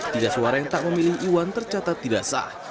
tiga suara yang tak memilih iwan tercatat tidak sah